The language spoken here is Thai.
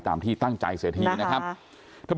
ตามที่ตั้งใจเสียทีนะครับ